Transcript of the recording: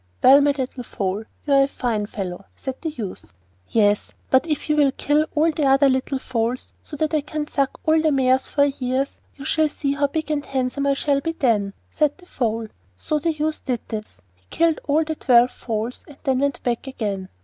'Well, my little foal, you are a fine fellow!' said the youth. 'Yes, but if you will kill all the other little foals so that I can suck all the mares for a year, you shall see how big and handsome I shall be then!' said the Foal. So the youth did this—he killed all the twelve foals, and then went back again.